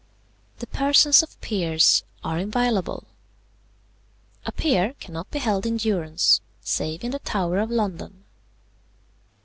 "The persons of peers are inviolable. "A peer cannot be held in durance, save in the Tower of London.